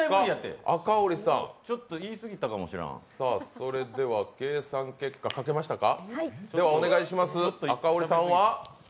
赤堀さん、計算結果書けましたか？